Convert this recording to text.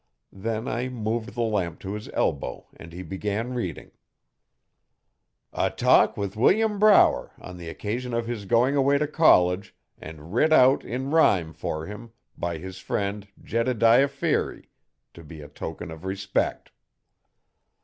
Then I moved the lamp to his elbow and he began reading: 'A talk with William Brower on the occasion of his going away to college and writ out in rhyme for him by his friend Jedediah Feary to be a token of respect.